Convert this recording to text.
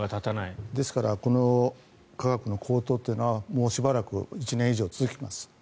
ですからこの価格の高騰はもうしばらく１年以上続きます。